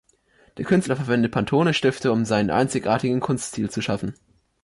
Der Künstler verwendet Pantone-Stifte, um seinen einzigartigen Kunststil zu schaffen.